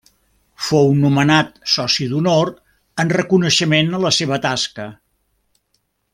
Fou nomenat soci d'honor en reconeixement a la seva tasca.